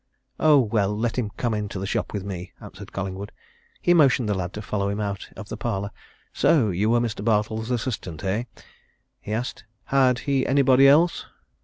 "Oh, well, let him come into the shop with me," answered Collingwood. He motioned the lad to follow him out of the parlour. "So you were Mr. Bartle's assistant, eh?" he asked. "Had he anybody else?"